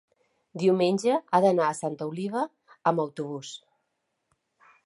diumenge he d'anar a Santa Oliva amb autobús.